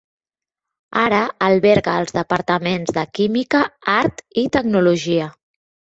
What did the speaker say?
Ara alberga els Departaments de Química, Art i Tecnologia.